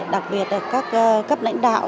đặc biệt là các cấp lãnh đạo